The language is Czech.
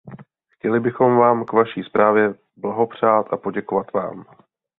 Chtěli bychom vám k vaší zprávě blahopřát a poděkovat vám.